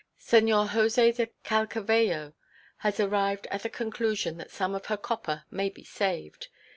Senhor José de Calcavello has arrived at the conclusion that some of her copper may be saved.